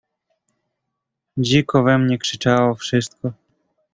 "Dziko we mnie krzyczało wszystko."